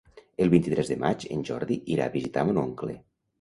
El vint-i-tres de maig en Jordi irà a visitar mon oncle.